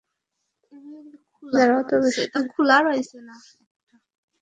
তবে শরীয়ত যেগুলো সমর্থন করে, সেগুলো ব্যতিক্রম।